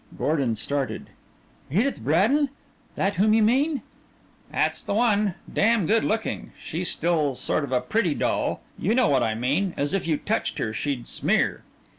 Gordon started. "Edith Bradin? That whom you mean?" "'At's the one. Damn good looking. She's still sort of a pretty doll you know what I mean: as if you touched her she'd smear."